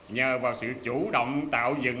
nhờ vào sự chủ động tạo dựng